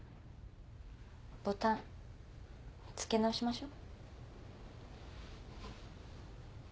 ボタンつけ直しましょう。